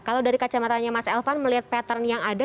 kalau dari kacamatanya mas elvan melihat pattern yang ada